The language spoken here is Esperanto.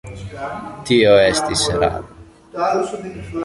Tio estis eraro.